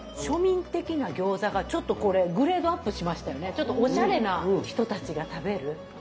ちょっとおしゃれな人たちが食べる。